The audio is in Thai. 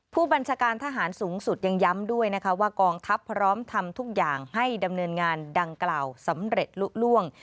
ผู้บัญชาการทหารสูงสุดยังย้ำด้วยนะคะว่ากองทัพพร้อมทำทุกอย่างให้ดำเนินงานดังกล่าวสำเร็จลุล่วง